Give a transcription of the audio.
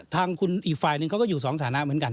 ทางคุณอีกฝ่ายหนึ่งเขาก็อยู่สองฐานะเหมือนกัน